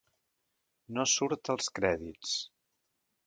No surt als crèdits.